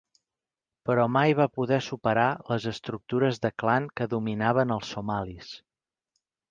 Però mai va poder superar les estructures de clan que dominaven als somalis.